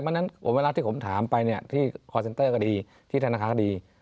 เพราะฉะนั้นเวลาที่ผมถามไปเนี่ยที่คอร์เซนเตอร์ก็ดีที่ธนาคารก็ดี